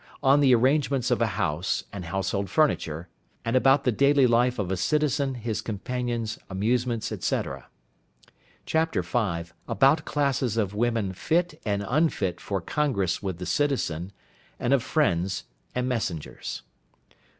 On the Arrangements of a House, and Household Furniture; and about the Daily Life of a Citizen, his Companions, Amusements, &c. " V. About classes of Women fit and unfit for Congress with the Citizen, and of Friends, and Messengers.